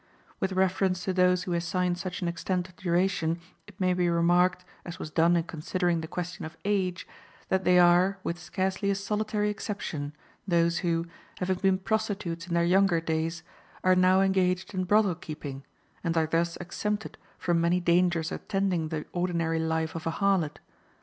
With reference to those who assign such an extent of duration, it may be remarked, as was done in considering the question of age, that they are, with scarcely a solitary exception, those who, having been prostitutes in their younger days, are now engaged in brothel keeping, and are thus exempted from many dangers attending the ordinary life of a harlot.